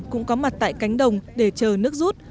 cũng có mặt tại cánh đồng để chờ nước rút